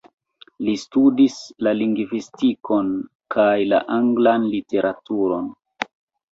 Li studis la lingvistikon kaj la anglan literaturon.